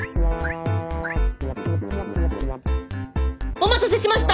お待たせしました！